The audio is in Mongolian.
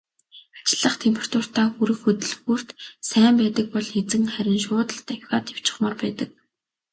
Ажиллах температуртаа хүрэх хөдөлгүүрт сайн байдаг бол эзэн харин шууд л давхиад явчихмаар байдаг.